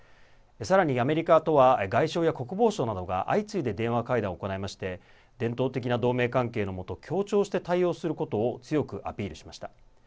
さらにアメリカとは外相や国防相などが相次いで電話会談を行いまして伝統的な同盟関係のもと協調して対応することを強くアピールしました。